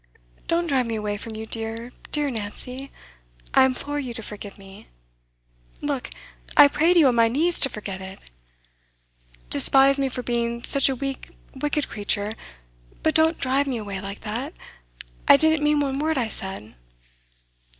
Don't drive me away from you, dear, dear Nancy! I implore you to forgive me! Look, I pray to you on my knees to forget it. Despise me for being such a weak, wicked creature, but don't drive me away like that! I didn't mean one word I said.